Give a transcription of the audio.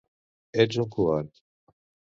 Ets un covard!